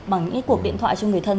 bằng những cuộc điện thoại cho người thân